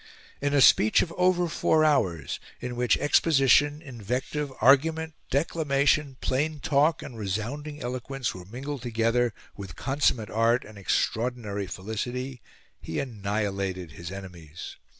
In a speech of over four hours, in which exposition, invective, argument, declamation, plain talk and resounding eloquence were mingled together with consummate art and extraordinary felicity, he annihilated his enemies.